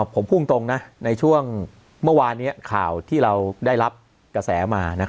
ผมพูดตรงนะในช่วงเมื่อวานนี้ข่าวที่เราได้รับกระแสมา